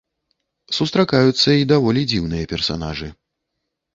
Сустракаюцца і даволі дзіўныя персанажы.